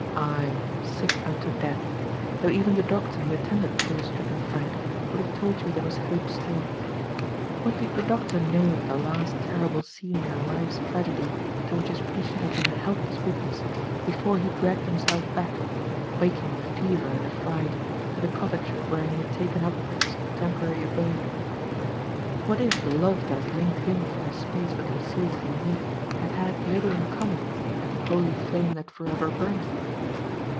Aye ! sick unto death, though even the doctor who attended poor stricken Frank would have told you there was hope still. What did the doctor know of the last terrible scene in a life's tragedy to which his patient had been a helpless witness, before he dragged himself back, quaking with fever and affright, to the cottage wherein he had taken up his temporary abode? What if the love that had linked him for a space with Lucille de Vigny had had little in common with the *'holy flame that forever burneth"?